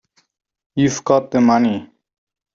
You've got the money.